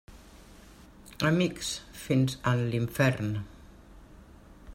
Amics, fins en l'infern.